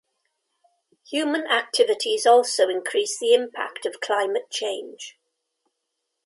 Human activities also increase the impact of climate change.